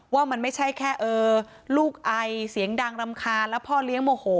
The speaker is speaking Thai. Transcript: ว่ามันไม่ใช่แค่ลูกไอเสียงดังรำคาญแล้วพ่อเลี้ยงโมโห